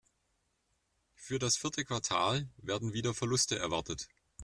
Für das vierte Quartal werden wieder Verluste erwartet.